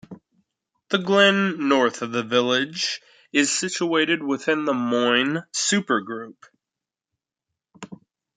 The glen north of the village is situated within the Moine Supergroup.